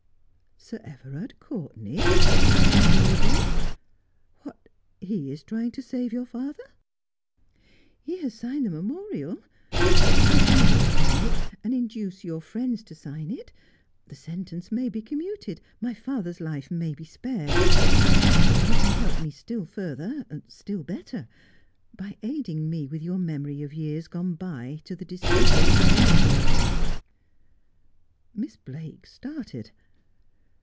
' Sir Everard Courtenay !' exclaimed Dora Blake. ' What, is he trying to save your father 1 '' He has signed the memorial. If you will sign it and induce your friends to sign it, the sentence may be commuted, my father's life may be spared. You can help me still further, still better, by aiding me with your memory of years gone by to the discovery of the real murderer.' Miss Blake started.